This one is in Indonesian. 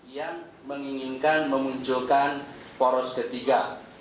yang menginginkan memunculkan poros ketiga